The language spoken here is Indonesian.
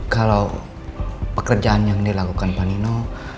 kalau pekerjaan yang dilakukan pak nino